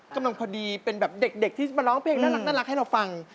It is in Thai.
ซึ่งควรพอดีเป็นเด็กที่จะร้องเพลงน่ารักให้เราฟัง